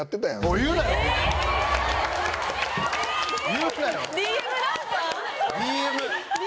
・言うなよ。